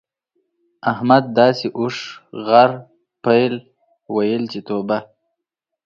احمد داسې اوښ، غر، پيل؛ ويل چې توبه!